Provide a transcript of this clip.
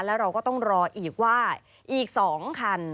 แล้วเราก็ต้องรออีกว่าอีก๒คัน